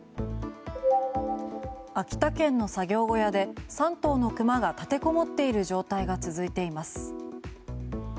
秋田県の作業小屋で３頭のクマが立てこもっている状態が続いてます。